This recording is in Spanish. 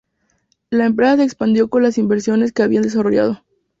La empresa se expandió con las invenciones que habían desarrollado.